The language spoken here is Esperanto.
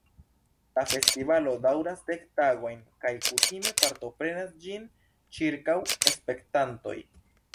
La festivalo daŭras dek tagojn kaj kutime partoprenas ĝin ĉirkaŭ spektantoj.